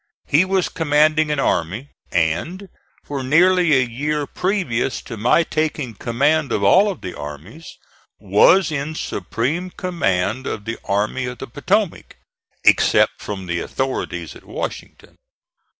He was commanding an army and, for nearly a year previous to my taking command of all the armies, was in supreme command of the Army of the Potomac except from the authorities at Washington.